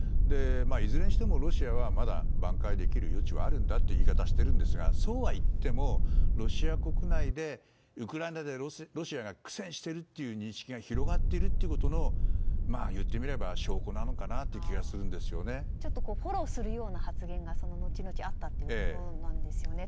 いずれにしてもロシアはまだ挽回できる余地はあるという言い方をしているんですがそうはいってもロシア国内でウクライナでロシアが苦戦しているという認識が広がっているということの証拠なのかなというフォローするような発言がその後々にあったということなんですよね。